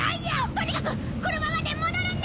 とにかく車まで戻るんだ！